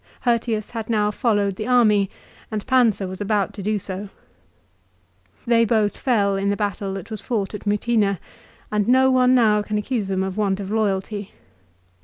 Hirtius had now followed the army, and Pansa was about to do so. They both fell in the battle that was fought at Mutina, and no one can now accuse them of want of loyalty.